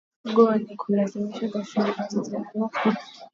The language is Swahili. go ni kumaliza ghasia ambazo zinazuka